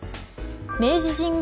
明治神宮